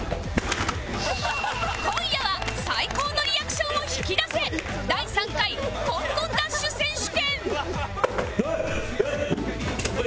今夜は最高のリアクションを引き出せ第３回コンコンダッシュ選手権おい！